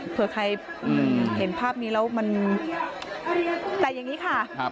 เผื่อใครเห็นภาพนี้แล้วมันแต่อย่างนี้ค่ะ